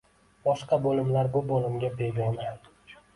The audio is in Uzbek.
Boshqa bo‘limlar bu bo‘limga begona.